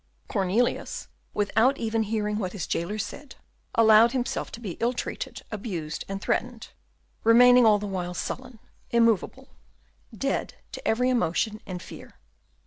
Cornelius, without even hearing what his jailer said, allowed himself to be ill treated, abused, and threatened, remaining all the while sullen, immovable, dead to every emotion and fear.